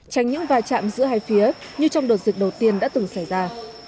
tránh những va chạm giữa hai phía như trong đợt dịch đầu tiên đã từng xảy ra